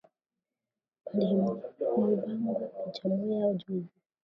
Balimubamba picha moya juzi